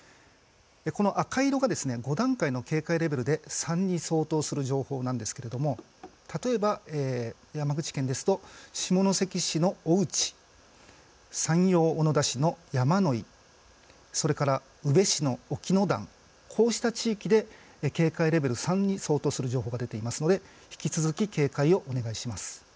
この赤色が５段階の警戒レベルで３に相当する情報なんですけれども例えば山口県ですと下関市の阿内山陽小野田市の山野井それから宇部市の沖ノ旦こうした地域で警戒レベル３に相当する情報が出ていますので引き続き、警戒をお願いします。